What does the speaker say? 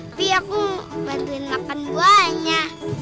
tapi aku bantuin makan buahnya